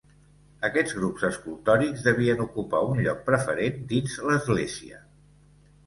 Aquests grups escultòrics devien ocupar un lloc preferent dins l'església.